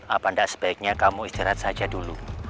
apa tidak sebaiknya kamu istirahat saja dulu